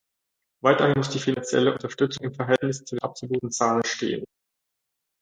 Weiterhin muss die finanzielle Unterstützung im Verhältnis zu den absoluten Zahlen stehen.